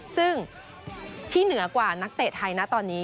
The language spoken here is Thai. ซึ่งที่เหนือกว่านักเตะไทยนะตอนนี้